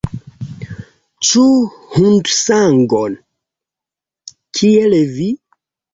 Ĉu hundsangon, kiel vi?